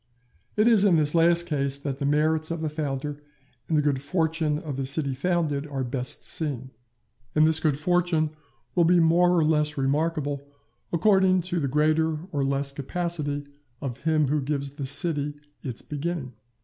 It is in this last case that the merits of a founder and the good fortune of the city founded are best seen; and this good fortune will be more or less remarkable according to the greater or less capacity of him who gives the city its beginning.